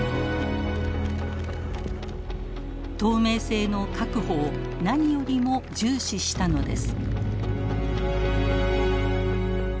透明性の確保を何よりも重視したのです。